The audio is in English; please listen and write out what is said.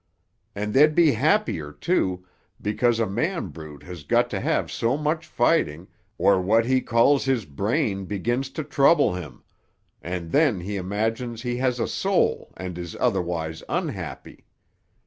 "And they'd be happier, too, because a man brute has got to have so much fighting, or what he calls his brain begins to trouble him; and then he imagines he has a soul and is otherwise unhappy.